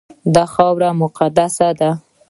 دا خاوره مقدسه ده.